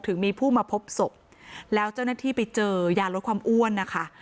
ถึงมีผู้มาพบศพแล้วเจ้าหน้าที่ไปเจอยาลดความอ้วนนะคะ